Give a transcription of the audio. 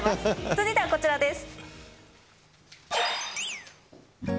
続いてはこちらです。